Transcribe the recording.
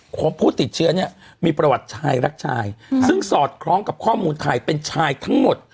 พบผู้ติดเชื้อเนี่ยมีประวัติชายรักชายซึ่งสอดคล้องกับข้อมูลไทยเป็นชายทั้งหมด